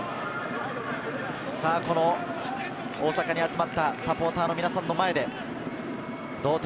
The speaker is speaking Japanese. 大阪に集まったサポーターの皆さんの前で同点。